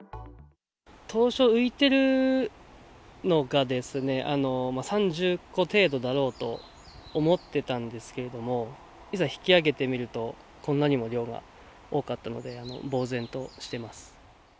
当初、浮いてるのがですね、３０個程度だろうと思ってたんですけれども、いざ引き上げてみると、こんなにも量が多かったので、ぼう然としてます。